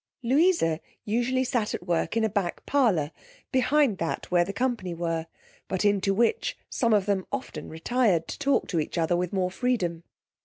Louisa usually sat at work in a back parlor behind that where the company were; but into which some of them often retired to talk to each other with more freedom.